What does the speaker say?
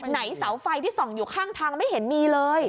เสาไฟที่ส่องอยู่ข้างทางไม่เห็นมีเลย